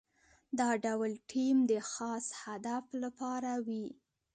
دا ډول ټیم د خاص هدف لپاره وي.